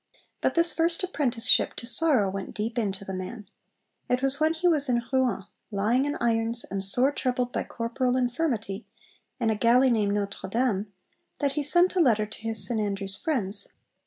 But this first apprenticeship to sorrow went deep into the man. It was when he was 'in Rouen, lying in irons, and sore troubled by corporal infirmity, in a galley named Notre Dame,' that he sent a letter to his St Andrews friends.